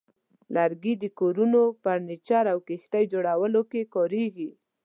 لرګي د کورونو، فرنیچر، او کښتۍ جوړولو کې کارېږي.